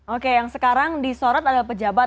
oke yang sekarang disorot adalah pejabat